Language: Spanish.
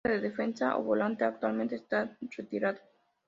Juega de defensa o volante y actualmente está retirado.